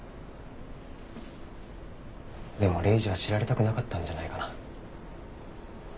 でもレイジは知られたくなかったんじゃないかな。